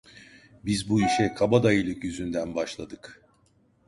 Biz bu işe kabadayılık yüzünden başladık!